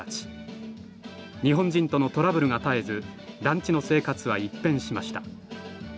日本人とのトラブルが絶えず団地の生活は一変しました